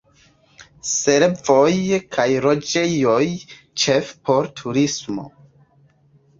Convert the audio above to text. Servoj kaj loĝejoj ĉefe por turismo.